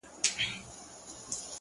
• که هر څو نجوني ږغېږي چي لونګ یم،